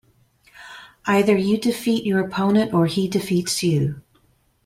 Either you defeat your opponent or he defeats you.